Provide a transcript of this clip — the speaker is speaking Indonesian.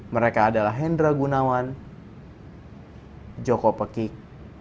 mereka adalah hendra gunawan joko pekik